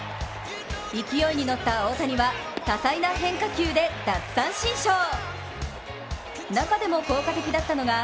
勢いに乗った大谷は多彩な変化球で奪三振ショー。